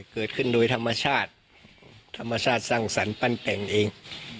เกิดขึ้นโดยธรรมชาติธรรมชาติสร้างสรรค์ปั้นแต่งเอง